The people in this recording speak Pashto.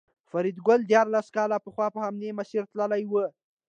فریدګل دیارلس کاله پخوا په همدې مسیر تللی و